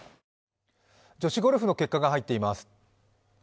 女子ゴルフの結果が入っています。